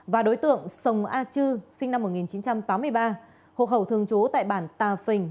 và đối tượng sồng a chư sinh năm một nghìn chín trăm tám mươi ba hộ khẩu thường trú tại bản tà phình